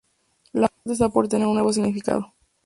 La muerte está por tener un nuevo significado.